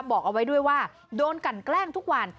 บอกเอาไว้ด้วยว่าโดนกันแกล้งทุกวัน